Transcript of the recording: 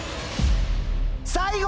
最後！